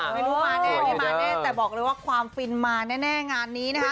ไม่รู้มาแน่ไม่มาแน่แต่บอกเลยว่าความฟินมาแน่งานนี้นะคะ